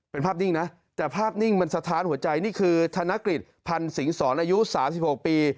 เป็นภาพนิ่งนะแต่ภาพนิ่งมันสะท้านหัวใจนี่คือธนกฤษพันธ์สิงศรอายุ๓๖ปี